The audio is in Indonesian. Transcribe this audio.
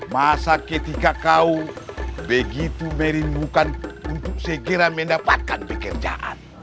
masa ketika kau begitu merindukan untuk segera mendapatkan pekerjaan